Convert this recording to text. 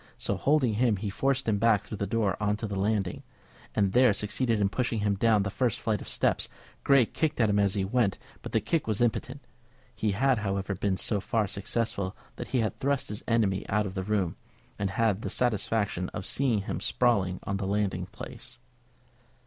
So holding him he forced him back through the door on to the landing, and there succeeded in pushing him down the first flight of steps. Grey kicked at him as he went, but the kick was impotent. He had, however, been so far successful that he had thrust his enemy out of the room, and had the satisfaction of seeing him sprawling on the landing place.